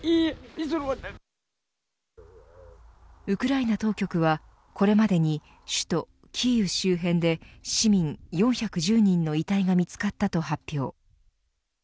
ウクライナ当局はこれまでに首都キーウ周辺で市民４１０人の遺体が見つかったと発表。